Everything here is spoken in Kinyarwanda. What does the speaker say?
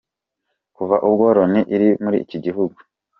Kuva ubwo Loni iri muri iki gihugu.